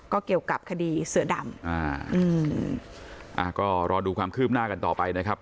ก็เกี่ยวกับคดีเสือดำอ่าอืมอ่าก็รอดูความคืบหน้ากันต่อไปนะครับ